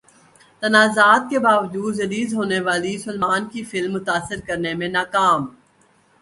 تنازعات کے باوجود ریلیز ہونے والی سلمان کی فلم متاثر کرنے میں ناکام